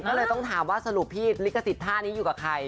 ก็เลยต้องถามว่าสรุปพี่ลิขสิทธิท่านี้อยู่กับใคร